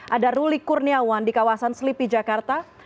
ada ruli kurniawan di kawasan selipi jakarta